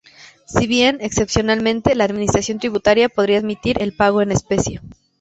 Si bien, excepcionalmente, la Administración tributaria podría admitir el pago en especie.